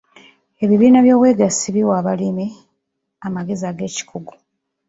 Ebibiina by'obwegassi biwa abalimi amagezi ag'ekikugu.